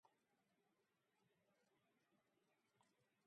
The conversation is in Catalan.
Brou de gallina, la millor medecina.